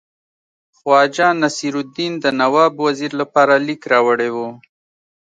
خواجه نصیرالدین د نواب وزیر لپاره لیک راوړی وو.